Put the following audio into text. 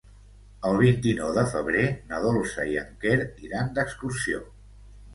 El vint-i-nou de febrer na Dolça i en Quer iran d'excursió.